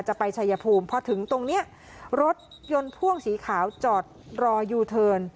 จะไปชัยภูมิพอถึงตรงนี้รถยนต์พ่วงสีขาวจอดรอยูเทิร์น